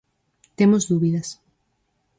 Temos dúbidas.